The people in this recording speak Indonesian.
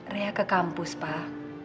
ria ke kampus pak